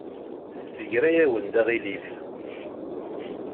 Tessegra-yawen-d aɣilif.